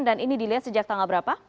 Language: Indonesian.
dan ini dilihat sejak tanggal berapa